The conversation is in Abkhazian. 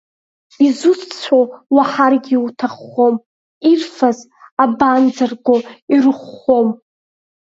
Изусҭцәоу уаҳаргьы, иуҭаххом, ирфаз абанӡарго, ирыхәхом…